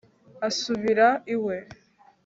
asubira iwe